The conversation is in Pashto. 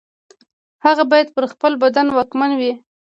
هغه باید پر خپل بدن واکمن وي.